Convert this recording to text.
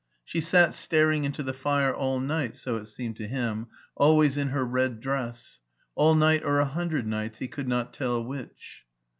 She sat staring into the fire all night so it seemed to him, always in h^ red dress : all night or a hundred nights, he cotdd not tell which.